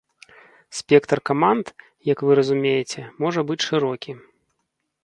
Спектр каманд, як вы разумееце, можа быць шырокі.